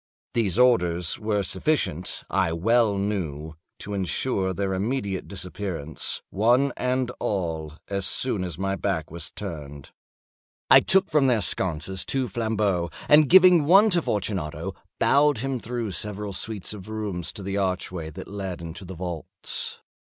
These orders were sufficient, I well knew, to insure their immediate disappearance, one and all, as soon as my back was turned. I took from their sconces two flambeaux, and giving one to Fortunato, bowed him through several suites of rooms to the archway that led into the vaults.